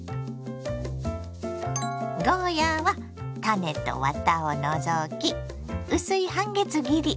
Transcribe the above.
ゴーヤーは種とワタを除き薄い半月切り。